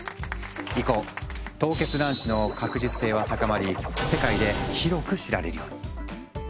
以降凍結卵子の確実性は高まり世界で広く知られるように。